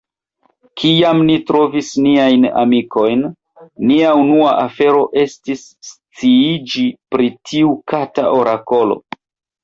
Kiam ni trovis niajn amikojn, nia unua afero estis sciiĝi pri tiu kata orakolo.